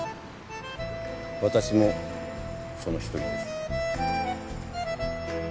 私もその１人です。